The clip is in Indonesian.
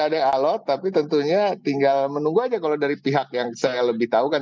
jadi ada yang alot tapi tentunya tinggal menunggu aja kalau dari pihak yang saya lebih tahu kan